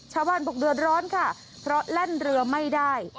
ชาวบ้านบอกเดือดร้อนค่ะเพราะแล่นเรือไม่ได้